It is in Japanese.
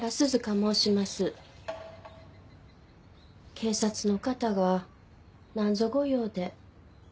警察の方がなんぞご用で？